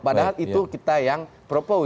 padahal itu kita yang propose